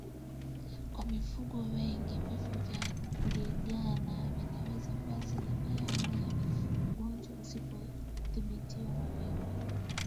Kwa mifugo wageni vifo vya Ndigana vinaweza kuwa asilimia mia ugonjwa usipodhibitiwa mapema